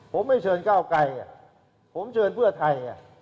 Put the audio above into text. ผมไม่เชิญก้าวไกลผมเชิญเพื่อไทย